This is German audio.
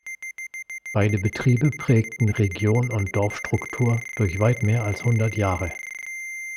Beide Betriebe prägten Region und Dorfstruktur durch weit mehr als hundert Jahre.